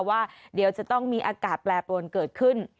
ว่าเดี๋ยวจะต้องมีอากาศแปรปรวนเกิดขึ้น